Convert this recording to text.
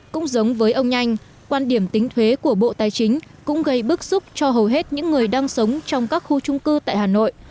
cũng giống với ông nhanh quan điểm tính thuế của bộ tài chính cũng gây bức xúc cho hầu hết những người đang sống trong các khu trung cư tại hà nội